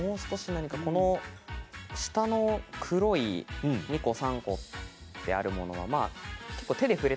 この下の黒い２個３個とあるものは触る？